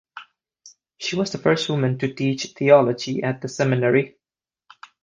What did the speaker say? She was the first woman to teach theology at the seminary.